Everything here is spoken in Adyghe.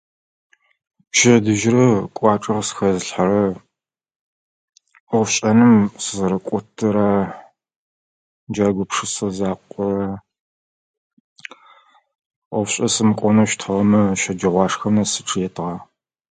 Пчэдыжьрэ кӏуачӏэу сыхэзылъхьэрэ ӏофшӏэным сызэрэкотырэ джа гупшысэ закъор. Ӏофшӏэ сымыкӏоныщтыгъэмэ шэджэгъуашхо нэс сычыетыгъэ.